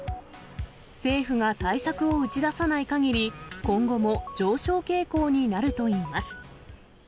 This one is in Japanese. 政府が対策を打ち出さないかぎり、今後も上昇傾向になるといいます。